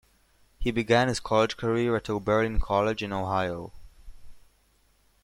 He began his college career at Oberlin College in Ohio.